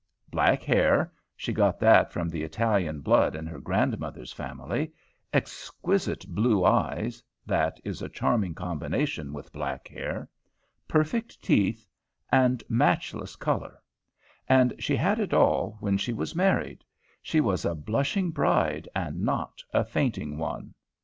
Black hair, she got that from the Italian blood in her grandmother's family, exquisite blue eyes, that is a charming combination with black hair, perfect teeth, and matchless color, and she had it all, when she was married, she was a blushing bride and not a fainting one.